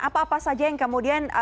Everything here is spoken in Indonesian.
apa apa saja yang kemudian